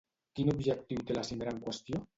Quin objectiu té la cimera en qüestió?